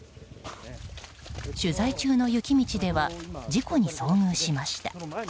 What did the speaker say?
取材中の雪道では事故に遭遇しました。